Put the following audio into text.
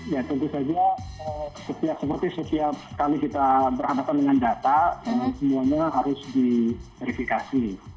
ya tentu saja seperti setiap kali kita berhadapan dengan data semuanya harus diverifikasi